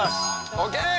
ＯＫ！